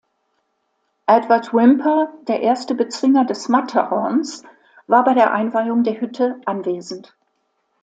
Edward Whymper, der erste Bezwinger des Matterhorns, war bei der Einweihung der Hütte anwesend.